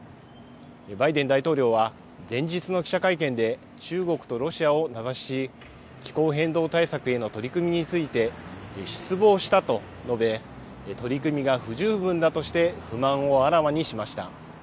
バイデン大統領は、前日の記者会見で、中国とロシアを名指しし、気候変動対策への取り組みについて、失望したと述べ、取り組みが不十分だとして、不満をあらわにしました。